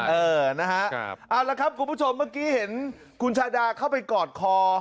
เออนะฮะเอาละครับคุณผู้ชมเมื่อกี้เห็นคุณชาดาเข้าไปกอดคอ